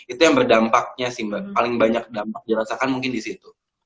itu yang berdampaknya sih paling banyak dampak yang dirasakan mungkin disitu